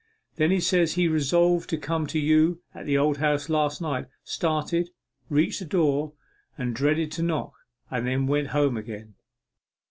Then he says he resolved to come to you at the Old House last night started, reached the door, and dreaded to knock and then went home again.